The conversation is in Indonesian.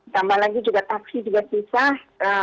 tambah lagi juga taksi juga susah